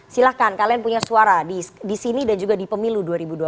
silahkan kalian punya suara di sini dan juga di pemilu dua ribu dua puluh